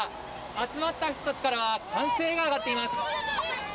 集まった人たちからは歓声が上がっています。